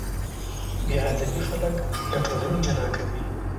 بېادبي خلک له ټولنې جلا کوي.